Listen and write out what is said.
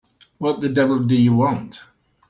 What the devil do you want?